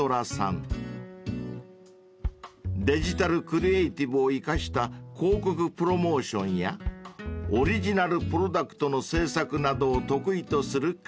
［デジタルクリエーティブを生かした広告プロモーションやオリジナルプロダクトの制作などを得意とする会社］